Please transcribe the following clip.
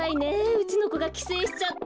うちのこがきせいしちゃって。